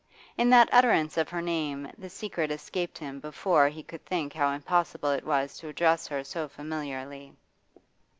In that utterance of her name the secret escaped him before he could think how impossible it was to address her so familiarly.